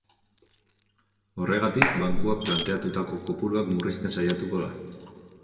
Horregatik, bankuak planteatutako kopuruak murrizten saiatuko da.